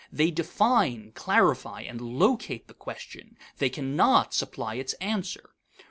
They define, clarify, and locate the question; they cannot supply its answer.